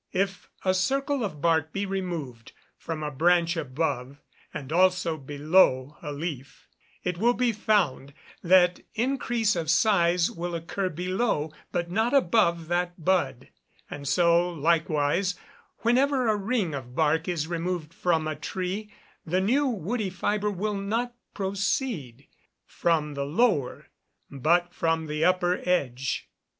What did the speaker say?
If a circle of bark be removed from a branch above and also below a leaf, it will be found that increase of size will occur below, but not above that bud; and so, likewise, whenever a ring of bark is removed from a tree, the new woody fibre will not proceed from the lower but from the upper edge.